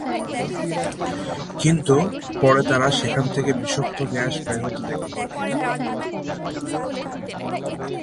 কিন্তু পরে তারা সেখান থেকে বিষাক্ত গ্যাস বের হতে দেখে।